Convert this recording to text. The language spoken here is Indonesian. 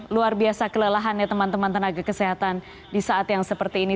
luar biasa kelelahannya teman teman tenaga kesehatan di saat yang seperti ini